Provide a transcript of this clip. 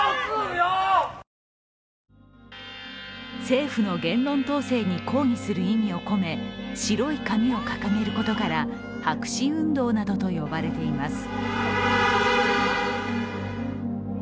政府の言論統制に抗議する意味を込め、白い紙を掲げることから白紙運動などと呼ばれています。